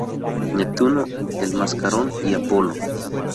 Neptuno, El Mascarón y Apolo.